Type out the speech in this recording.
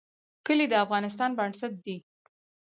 کلي د افغانستان بنسټ دی